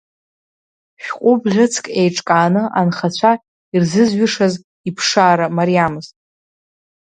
Шәҟәы бӷьыцк еиҿкааны анхацәа ирзызҩышаз иԥшаара мариамызт.